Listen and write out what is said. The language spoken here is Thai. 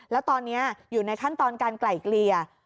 แล้วตอนนี้อยู่ในขั้นตอนการไกล่เกลี่ย